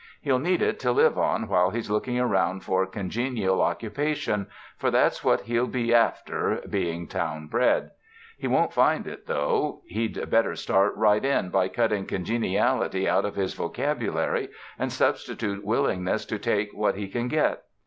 He'll need it to live on while he's looking around for 'congenial occupation'; for that's what he'll be after, being town bred. He won't find it, though. He'd better start right in by cutting 'congeniality' out of his vocabulary and substitute willingness to take what he can get.